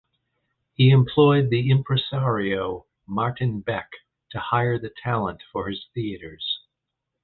He employed impresario Martin Beck to hire the talent for his theaters.